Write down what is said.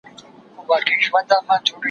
زه سبا ته فکر کړی دی؟